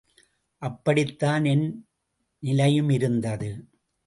அப்படித்தான் என் நிலையுமிருந்தது.